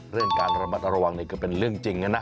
เรื่องการระมัดระวังนี่ก็เป็นเรื่องจริงนะนะ